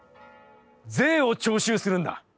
『税を徴収するんだ。